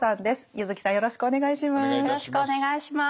柚木さんよろしくお願いします。